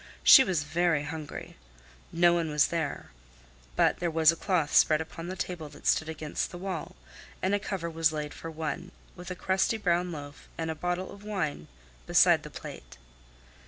She was very hungry. No one was there. But there was a cloth spread upon the table that stood against the wall, and a cover was laid for one, with a crusty brown loaf and a bottle of wine beside the plate.